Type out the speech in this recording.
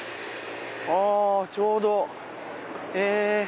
あちょうど。